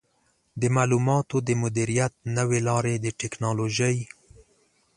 د معلوماتو د مدیریت نوې لارې د ټکنالوژۍ